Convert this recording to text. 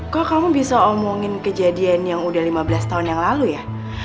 kok kamu bisa omongin kejadian yang udah lima belas tahun yang lalu ya